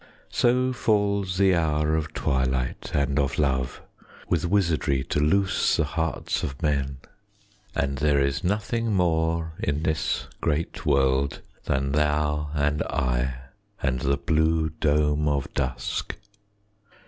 So falls the hour of twilight and of love With wizardry to loose the hearts of men, And there is nothing more in this great world Than thou and I, and the blue dome of dusk.